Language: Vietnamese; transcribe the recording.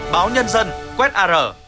báo nhân dân quét ar